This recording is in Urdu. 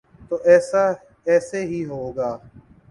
تو ایسے ہی ہوگا۔